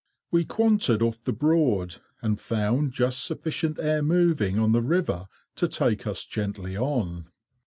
We quanted off the Broad, and found just sufficient air moving on the river to take us gently on.